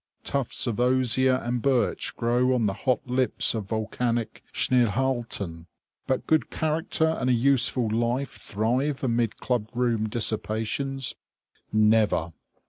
Tufts of osier and birch grow on the hot lips of volcanic Schneehalten. But good character and a useful life thrive amid club room dissipations _Never!